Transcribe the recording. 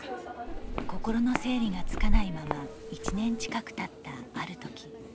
心の整理がつかないまま１年近くたったあるとき。